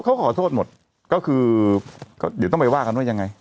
เออสุดท้ายนะ